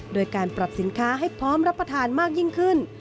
โดยการปรับสินค้าให้พร้อมรับประทานมากยิ่งขึ้น